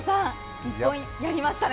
やりましたね。